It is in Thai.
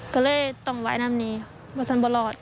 ก็เลยต้องไหว้นั่มนี้บัสนบลอด